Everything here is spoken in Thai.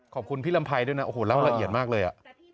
ขอบคุณพี่ลำไพรด้วยนะโอ้โหเล่าละเอียดมากเลย